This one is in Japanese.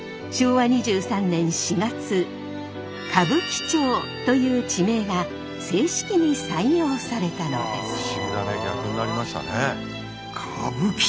昭和２３年４月歌舞伎町という地名が正式に採用されたのです。